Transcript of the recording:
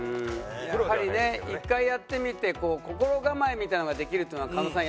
やはりね１回やってみて心構えみたいなのができるっていうのは狩野さん